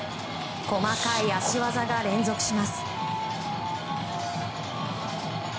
細かい脚技が連続します。